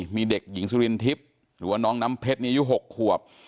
มีเด็กหญิงสุรินทิพย์หรือว่าน้องน้ำเพชรอายุ๖ขวบ